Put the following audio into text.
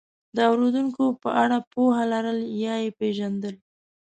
د اورېدونکو په اړه پوهه لرل یا یې پېژندل،